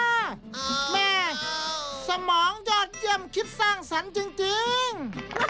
แม่สมองยอดเยี่ยมคิดสร้างสรรค์จริง